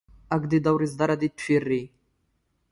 ⴰⴳⴹⵉⴹ ⴰ ⵓⵔ ⵉⵥⴹⴰⵕ ⴰⴷ ⵉⵜⵜⴼⵉⵔⵔⵉⵢ.